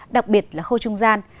đặc biệt là khâu trung gian